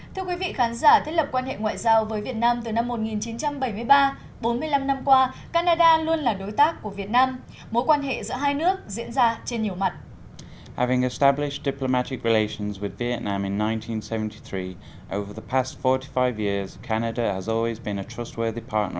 thưa quý vị khán giả thiết lập quan hệ ngoại giao với việt nam từ năm một nghìn chín trăm bảy mươi ba bốn mươi năm năm qua canada luôn là đối tác của việt nam mối quan hệ giữa hai nước diễn ra trên nhiều mặt